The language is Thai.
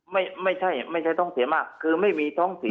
ไม่ใช่ไม่ใช่ท้องเสียมากคือไม่มีท้องเสีย